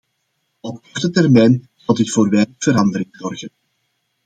Op korte termijn zal dit voor weinig verandering zorgen.